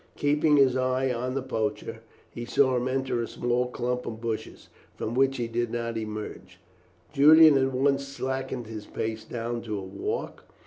Keeping his eye on the poacher, he saw him enter a small clump of bushes, from which he did not emerge. Julian at once slackened his pace down to a walk.